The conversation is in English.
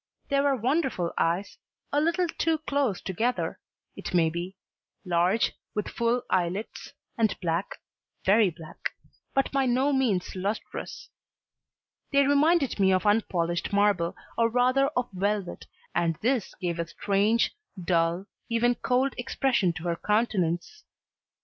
They were wonderful eyes, a little too close together, it may be, large, with full eyelids, and black, very black, but by no means lustrous; they reminded me of unpolished marble, or rather of velvet, and this gave a strange, dull, even cold expression to her countenance.